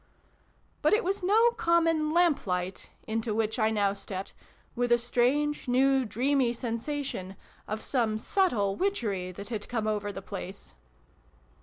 But it was no common lamplight into which I now stepped, with a strange, new, dreamy sensation of some subtle witchery that had come over the place.